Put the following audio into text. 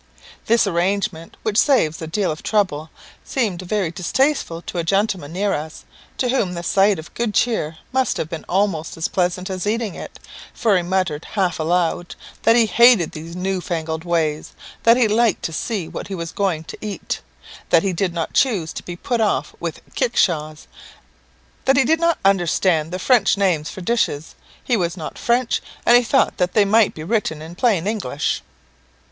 This arrangement, which saves a deal of trouble, seemed very distasteful to a gentleman near us, to whom the sight of good cheer must have been almost as pleasant as eating it, for he muttered half aloud "that he hated these new fangled ways; that he liked to see what he was going to eat; that he did not choose to be put off with kickshaws; that he did not understand the French names for dishes. He was not French, and he thought that they might be written in plain English."